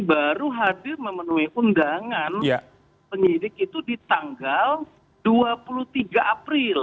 baru hadir memenuhi undangan penyidik itu di tanggal dua puluh tiga april